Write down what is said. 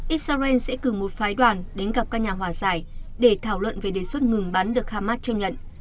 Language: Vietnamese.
israel sẽ cử một phái đoàn đến gặp các nhà hòa giải để thảo luận về đề xuất ngừng bắn được hamas chấp nhận